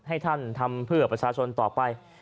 ให้ท่านทำเพื่อประชาชนต่อไป